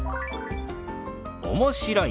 「面白い」。